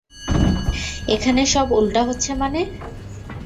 এখানে সব উল্টা হচ্ছে মানে?